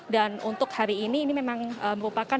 dan untuk hari ini ini memang merupakan